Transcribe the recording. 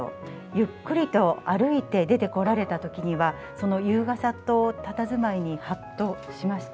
ゆっくりと歩いて出てこられたときには、その優雅さとたたずまいにはっとしました。